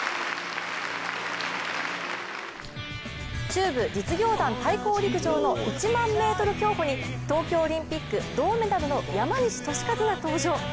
中部実業団対抗陸上の１００００ｍ競歩に東京オリンピック銅メダルの山西利和が登場。